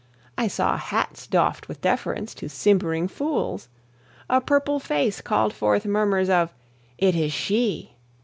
I saw hats doffed with deference to simpering fools; a purple face called forth murmurs of, "It is she!"